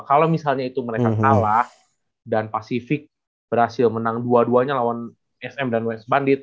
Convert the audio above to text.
kalau misalnya itu mereka kalah dan pasifik berhasil menang dua duanya lawan sm dan west bandit